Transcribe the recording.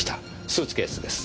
スーツケースです。